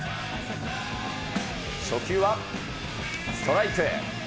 初球はストライク。